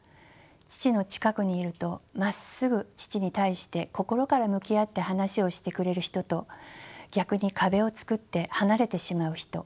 父の近くにいるとまっすぐ父に対して心から向き合って話をしてくれる人と逆に壁を作って離れてしまう人。